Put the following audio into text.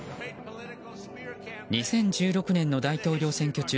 ２０１６年の大統領選挙中